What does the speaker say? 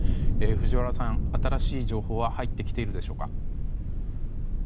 藤原さん、新しい情報は入ってきているでしょうか。